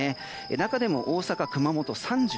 中でも大阪、熊本３４度。